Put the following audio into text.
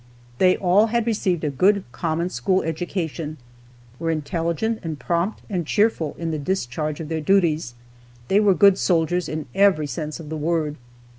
They all had received a good common school education, were intelligent, and prompt and cheerful in the discharge of their duties. They were good soldiers, in every sense of the word.